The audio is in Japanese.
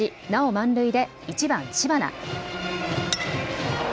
満塁で１番・知花。